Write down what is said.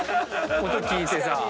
音聞いてさ。